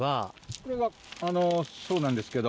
これがそうなんですけど。